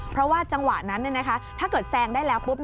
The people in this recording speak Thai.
เพราะว่าจังหวะนั้นถ้าเกิดแซงได้แล้วปุ๊บ